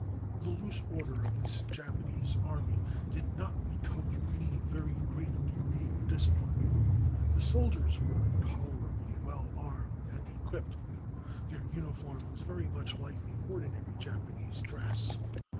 The loose order of this Jap anese army did not betoken any very great degree of discipline. The soldiers were tolerably well armed and equipped. Their uniform was very much like the ordi nary Japanese dress.